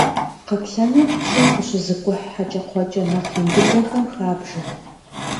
Къаплъэныр щӏым къыщызыкӏухь хьэкӏэкхъуэкӏэ нэхъ ин дыдэхэм хабжэ.